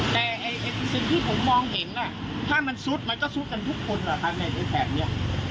แต่สิ่งที่ผมมองเห็นถ้ามันซุดมั้ยก็ซุดกันทุกคนแถมนี้